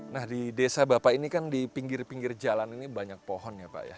nah di desa bapak ini kan di pinggir pinggir jalan ini banyak pohon ya pak ya